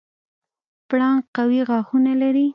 پړانګ قوي غاښونه لري.